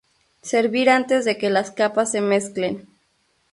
Servir antes de que las capas se mezclen.